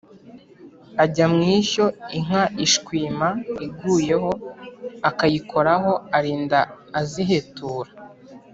ajya mu ishyo, inka ishwima iguyeho akayikoraho, arinda azihetura